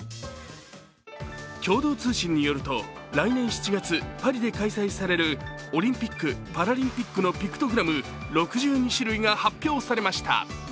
共同通信によると来年７月、パリで開催されるオリンピック・パラリンピックのピクトグラム６２種類が発表されました。